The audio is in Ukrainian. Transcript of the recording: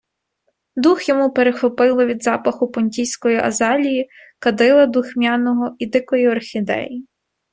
Дух йому перехопило від запаху понтійської азалії, кадила духмяного і дикої орхідеї...